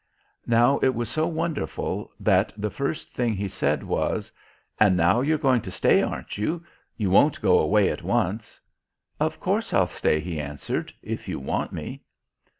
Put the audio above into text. Now it was so wonderful that the first thing he said was: "And now you're going to stay, aren't you? You won't go away at once...?" "Of course, I'll stay," he answered. "If you want me."